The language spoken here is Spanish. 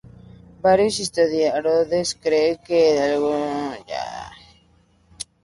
Varios historiadores creen que al igual que su hermano Federico, era homosexual.